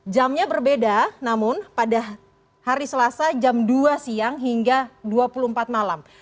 jamnya berbeda namun pada hari selasa jam dua siang hingga dua puluh empat malam